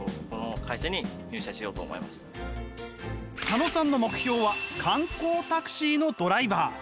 佐野さんの目標は観光タクシーのドライバー。